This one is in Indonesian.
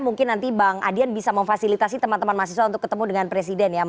mungkin nanti bang adian bisa memfasilitasi teman teman mahasiswa untuk ketemu dengan presiden ya